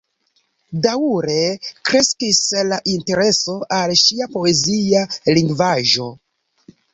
Daŭre kreskis la intereso al ŝia poezia lingvaĵo.